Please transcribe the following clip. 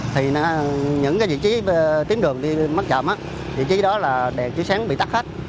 thì những vị trí tím đường đi mất chậm vị trí đó là đèn chiếu sáng bị tắt khách